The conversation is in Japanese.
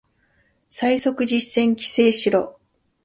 最速実践規制しろ